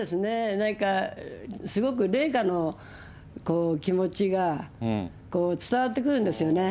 なんか、すごく麗華の、気持ちが伝わってくるんですよね。